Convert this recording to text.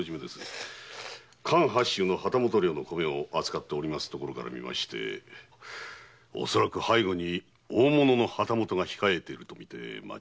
関八州の旗本領の米を扱っているところからみまして恐らく背後に大物の旗本が控えていると思われます。